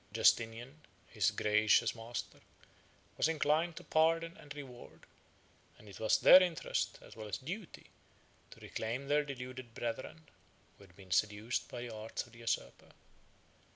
Justinian, his gracious master, was inclined to pardon and reward; and it was their interest, as well as duty, to reclaim their deluded brethren, who had been seduced by the arts of the usurper.